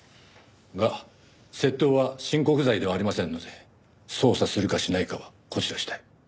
が窃盗は親告罪ではありませんので捜査するかしないかはこちら次第。